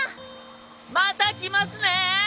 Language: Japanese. また来ますね！